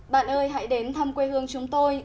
bạn ơi hãy đến thăm quê hương chúng tôi